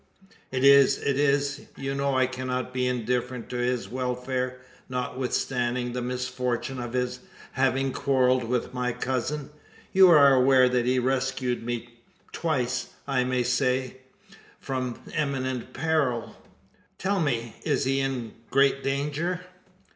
"It is it is! You know I cannot be indifferent to his welfare, notwithstanding the misfortune of his having quarrelled with my cousin. You are aware that he rescued me twice I may say from imminent peril. Tell me is he in great danger?"